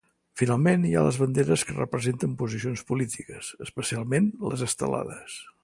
Finalment hi ha les banderes que representen posicions polítiques, especialment les estelades.